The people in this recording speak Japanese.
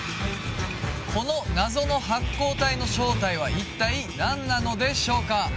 この謎の発光体の正体はいったい何なのでしょうか？